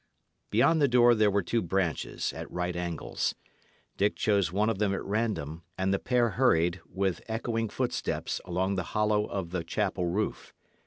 Beyond the door there were two branches, at right angles. Dick chose one of them at random, and the pair hurried, with echoing footsteps, along the hollow of the chapel roof.